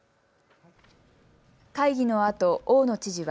会議のあと大野知事は。